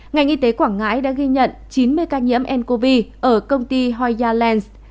ngành y tế quảng ngãi đã ghi nhận chín mươi ca nhiễm ncov ở công ty hoya lens